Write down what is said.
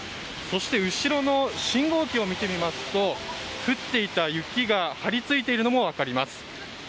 そして後ろの信号機を見てみますと降っていた雪が張り付いているのも分かります。